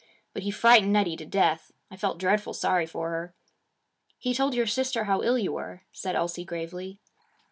But he frightened Nettie to death. I felt dreadfully sorry for her.' 'He told your sister how ill you were,' said Elsie gravely.